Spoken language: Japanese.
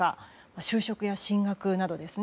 就職や進学などですね。